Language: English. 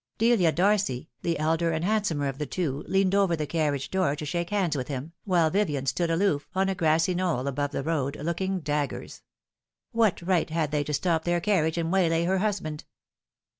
Delia Darcy, the elder and handsomer of the two, leaned over the carriage door to shake hands with him, while Vivien stood aloof, on a grassy knoll above the road, looking daggers. What right had they to stop their carriage and waylay her husband